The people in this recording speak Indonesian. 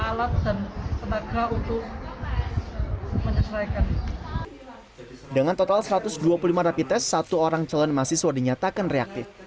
alat dan tenaga untuk menyesuaikan dengan total satu ratus dua puluh lima rapi tes satu orang calon mahasiswa dinyatakan reaktif